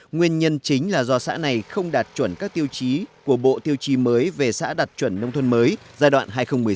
nguyên nhân chính là do xã này không đạt chuẩn các tiêu chí của bộ tiêu trì mới về xã đạt chuẩn nông thôn mới giai đoạn hai nghìn một mươi sáu hai nghìn một mươi tám